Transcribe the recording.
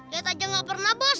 dia tanya nggak pernah bos